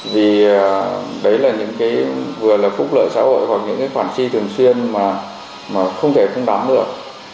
vì đấy là những cái vừa là phúc lợi xã hội hoặc những cái khoản chi thường xuyên mà không thể không bám được